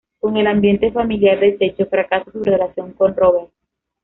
Con el ambiente familiar deshecho, fracasa su relación con Robert.